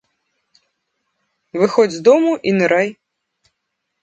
Выходзь з дому і нырай.